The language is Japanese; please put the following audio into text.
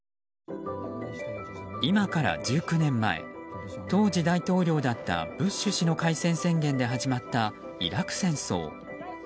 今から１９年前当時、大統領だったブッシュ氏の開戦宣言で始まったイラク戦争。